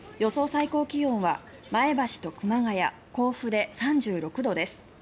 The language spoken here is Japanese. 最高気温は前橋と熊谷、甲府で３６度です。